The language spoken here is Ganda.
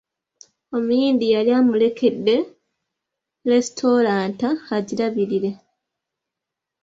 Omuyindi yali amulekedde lesitulanta agirabirire.